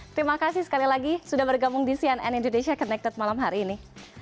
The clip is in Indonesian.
terima kasih sekali lagi sudah bergabung di cnn indonesia connected malam hari ini